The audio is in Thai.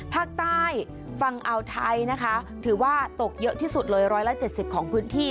ภาคใต้ฝั่งอ่าวไทยนะคะถือว่าตกเยอะที่สุดเลย๑๗๐ของพื้นที่